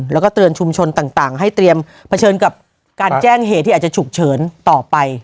แล้วก็เตือนชุมชนต่างให้เตรียมเผชิญกับการแจ้งเหตุที่อาจจะฉุกเฉินต่อไป